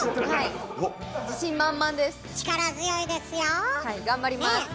はい頑張ります。